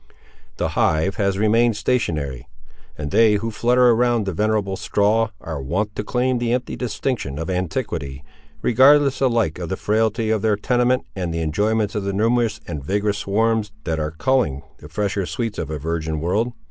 The hive has remained stationary, and they who flutter around the venerable straw are wont to claim the empty distinction of antiquity, regardless alike of the frailty of their tenement and of the enjoyments of the numerous and vigorous swarms that are culling the fresher sweets of a virgin world.